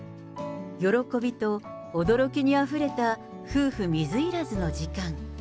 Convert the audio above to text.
喜びと驚きにあふれた夫婦水入らずの時間。